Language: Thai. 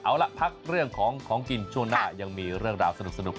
เอาล่ะพักเรื่องของของกินช่วงหน้ายังมีเรื่องราวสนุก